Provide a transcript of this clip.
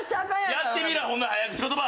やってみろほんなら早口言葉！